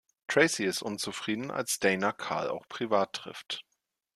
Traci ist unzufrieden als Dana Carl auch privat trifft.